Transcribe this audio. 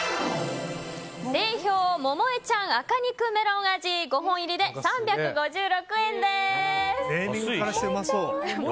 セイヒョーのももえちゃん赤肉メロン味５本入りで３５６円です。